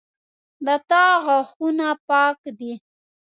د تا غاښونه پاک دي